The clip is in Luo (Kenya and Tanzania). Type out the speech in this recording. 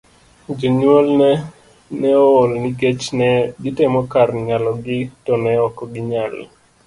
Jonyuolne ne ool nikech ne gitemo kar nyalogi to ne ok ginyal.